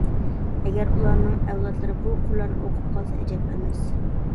ئەگەر ئۇلارنىڭ ئەۋلادلىرى بۇ قۇرلارنى ئوقۇپ قالسا ئەجەب ئەمەس.